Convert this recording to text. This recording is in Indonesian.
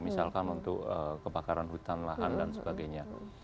misalkan untuk kebakaran hutan lahan dan sebagainya